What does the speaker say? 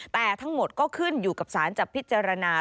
แต่ทั้งหมดก็ขึ้นอยู่กับสารจะพิจารณา